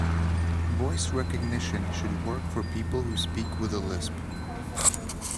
Voice recognition should work for people who speak with a lisp.